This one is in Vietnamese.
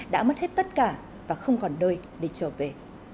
đã mất hết tất cả và không còn nơi để trở về